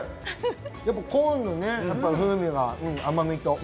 やっぱりコーンの風味と甘みと。